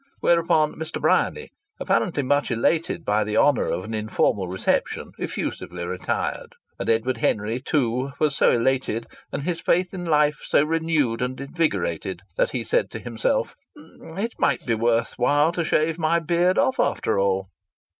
Whereupon Mr. Bryany, apparently much elated by the honour of an informal reception, effusively retired. And Edward Henry too was so elated, and his faith in life so renewed and invigorated, that he said to himself: "It might be worth while to shave my beard off, after all!"